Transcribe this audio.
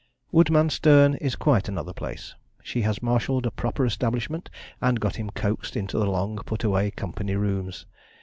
Woodmansterne is quite another place. She has marshalled a proper establishment, and got him coaxed into the long put a way company rooms.